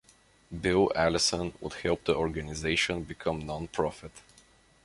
Bill Allison would help the organization become nonprofit.